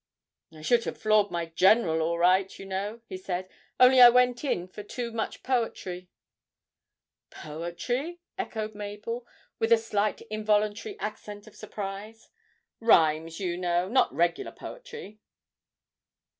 'I should have floored my "General" all right, you know,' he said, 'only I went in for too much poetry.' 'Poetry?' echoed Mabel, with a slight involuntary accent of surprise. 'Rhymes, you know, not regular poetry!'